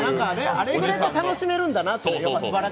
あれくらい楽しめるんだなって。